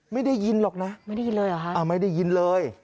ไม่ได้ยินหรอกนะไม่ได้ยินเลยเหรอคะไม่ได้ยินเลย